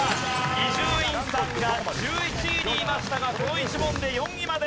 伊集院さんが１１位にいましたがこの１問で４位まで！